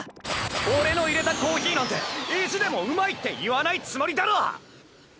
俺のいれたコーヒーなんて意地でもうまいって言わないつもりだろ！